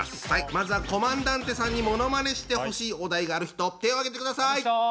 まずはコマンダンテさんにものまねしてほしいお題がある人手を挙げてください。